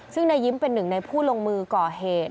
ซึ่งนายยิ้มเป็นหนึ่งในผู้ลงมือก่อเหตุ